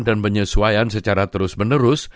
dan penyesuaian secara terus menerus